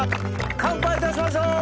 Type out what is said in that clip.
乾杯いたしましょう！